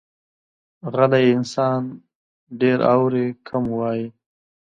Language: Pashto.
غلی انسان، ډېر اوري، کم وایي.